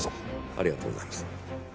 ありがとうございます。